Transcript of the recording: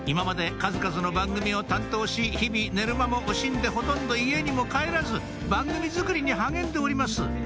数々の番組を担当し日々寝る間も惜しんでほとんど家にも帰らず番組作りに励んでおります